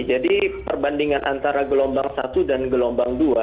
jadi perbandingan antara gelombang satu dan gelombang dua